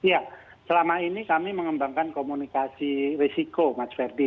ya selama ini kami mengembangkan komunikasi resiko mas herdi